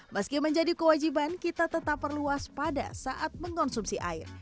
meski menjadi kewajiban kita tetap perlu waspada saat mengonsumsi air